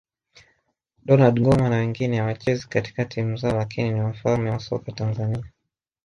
Donald Ngoma na wengine hawachezi katika timu zao lakini ni wafalme wa soka Tanzania